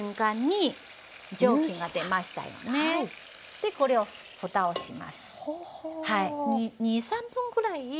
でこれをふたをします。